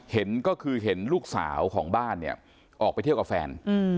เห็นก็คือเห็นลูกสาวของบ้านเนี่ยออกไปเที่ยวกับแฟน